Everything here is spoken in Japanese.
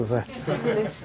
そうですね。